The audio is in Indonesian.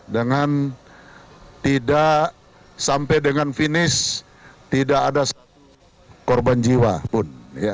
dengan tidak sampai dengan finish tidak ada korban jiwa pun